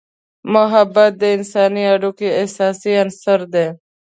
محبت د انسانی اړیکو اساسي عنصر دی.